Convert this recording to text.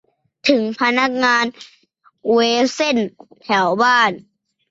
นึกถึงพนักงานเวเซ่นแถวบ้าน